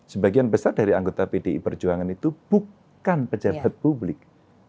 sebagian besar dari anggota pdi perjuangan itu bukan pejabat publik